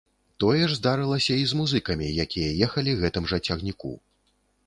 Тое ж здарылася і з музыкамі, якія ехалі гэтым жа цягніку.